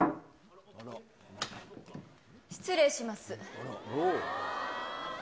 失礼します。